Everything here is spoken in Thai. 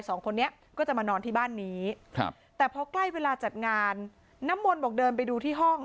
สองคนนี้ก็จะมานอนที่บ้านนี้ครับแต่พอใกล้เวลาจัดงานน้ำมนต์บอกเดินไปดูที่ห้อง